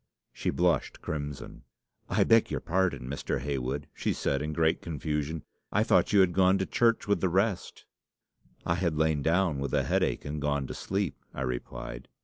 She blushed crimson. "'I beg your pardon, Mr. Heywood,' she said in great confusion; 'I thought you had gone to church with the rest.' "'I had lain down with a headache, and gone to sleep,' I replied.